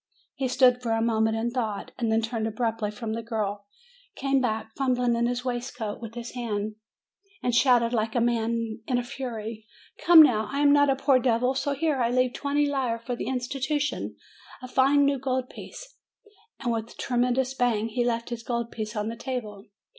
He stood for a moment in thought, then turned abruptly from the girl, came back, fumbling in his waistcoat with his hand, and shouted like a man in a fury : "Come now, I am not a poor devil! So here, I leave twenty lire for the institution, a fine new gold piece." And with a tremendous bang, he left his gold piece on the table.